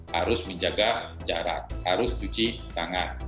harus menjaga jarak harus cuci tangan